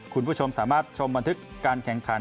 คุณผู้ชมสามารถชมบันทึกการแข่งขัน